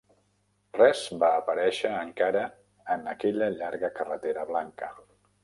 Res va aparèixer encara en aquella llarga carretera blanca.